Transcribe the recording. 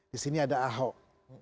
di sini ada ahok